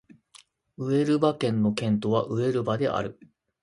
ウエルバ県の県都はウエルバである